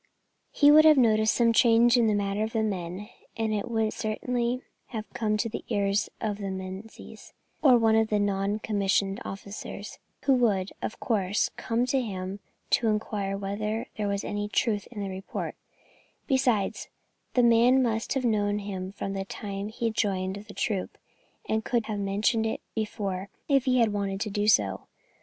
He would have noticed some change in the manner of the men, and it would certainly have come to the ears of Menzies or one of the other non commissioned officers, who would, of course, come to him to inquire whether there was any truth in the report; besides, the man must have known him from the time he joined the troop, and could have mentioned it before if he had wanted to do so.